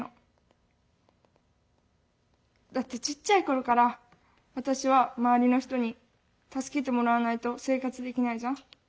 だってちっちゃい頃から私は周りの人に助けてもらわないと生活できないじゃん。